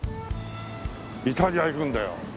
イタリア行くんだよ。